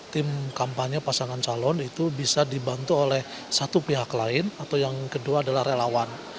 tim kampanye pasangan calon itu bisa dibantu oleh satu pihak lain atau yang kedua adalah relawan